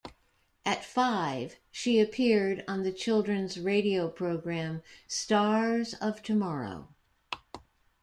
At five, she appeared on the children's radio program "Stars of Tomorrow".